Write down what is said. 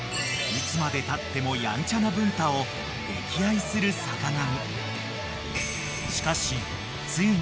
［いつまでたってもヤンチャな文太を溺愛する坂上］